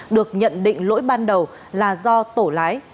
được nhận định lỗi ban đầu là do tổ lái